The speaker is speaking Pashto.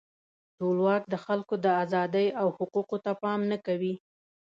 ټولواک د خلکو د آزادۍ او حقوقو ته پام نه کوي.